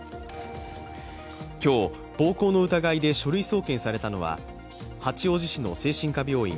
今日、暴行の疑いで書類送検されたのは八王子市の精神科病院